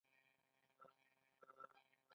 صبر کول بریالیتوب راوړي